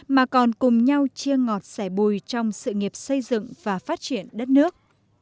mà còn cùng nhau chia ngọt sẻ bùi trong sự nghiệp xây dựng và phát triển đất nước